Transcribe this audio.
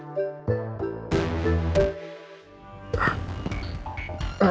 jalan jalan dengan anda